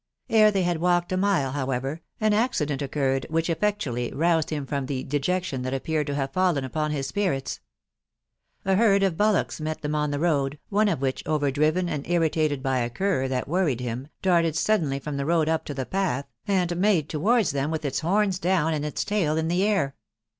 Ere they had walked a mile, however, an accident occurred which effectually roused him from the dejection that appeared to have fallen upon his spirits. A herd of bullocks met them on the road, one of which, over driven and irritated by a cur that worried him, darted suddenly from the road up to the path, and made towards them with its horns down, and its tail in the air.